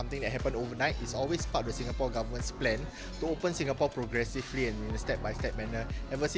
pengalaman berwisata di singapura hampir sama seperti sebelum masa pandemi